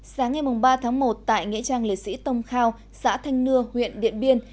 sáng ngày ba tháng một tại nghĩa trang liệt sĩ tông khao xã thanh nưa huyện điện biên